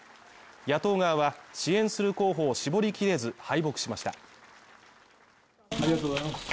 野党側は支援する候補を絞りきれず敗北しました。